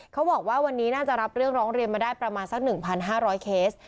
เขาบอกว่าวันนี้น่าจะรับเรื่องร้องเรียนมาได้ประมาณสัก๑๕๐๐เคส